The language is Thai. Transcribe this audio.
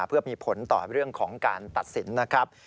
เพื่อมีผลต่อเรื่องของการตัดสินนะครับ